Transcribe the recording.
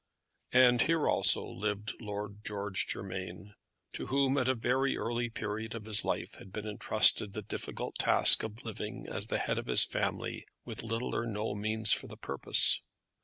And here also lived Lord George Germain, to whom at a very early period of his life had been entrusted the difficult task of living as the head of his family with little or no means for the purpose.